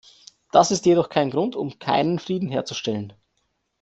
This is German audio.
Das ist jedoch kein Grund, um keinen Frieden herzustellen.